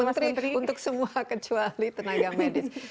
menteri untuk semua kecuali tenaga medis